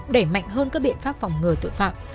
đẩy mạnh hơn các biện pháp phòng ngừa tội phạm